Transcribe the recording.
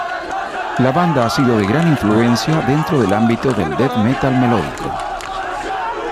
La banda ha sido de gran influencia dentro del ámbito del death metal melódico.